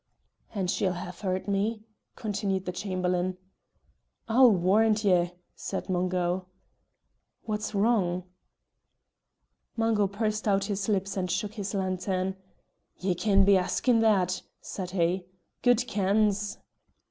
"And she'll have heard me?" continued the Chamberlain. "I'll warrant ye!" said Mungo. "What's wrong?" Mungo pursed out his lips and shook his lantern. "Ye can be askin' that," said he. "Gude kens!"